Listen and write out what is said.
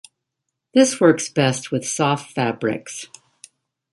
This works best with soft fabrics.